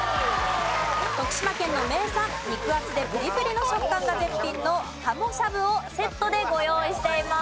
徳島県の名産肉厚でプリプリの食感が絶品の鱧しゃぶをセットでご用意しています。